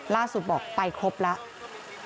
ล่าสุดบอกไปครบแล้ว